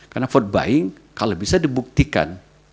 karena vote buying kalau bisa dibuktikan